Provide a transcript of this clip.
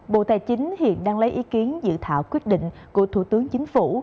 bộ tài chính hiện đang lấy ý kiến dự thảo quyết định của thủ tướng chính phủ